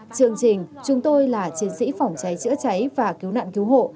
chương trình chúng tôi là chiến sĩ phòng cháy chữa cháy và cứu nạn cứu hộ